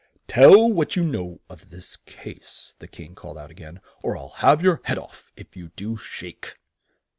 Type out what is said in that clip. "Tell what you know of this case," the King called out a gain, "or I'll have your head off, if you do shake."